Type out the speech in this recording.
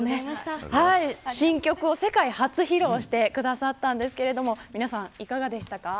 新曲を世界初披露してくださったんですが皆さん、いかがでしたか。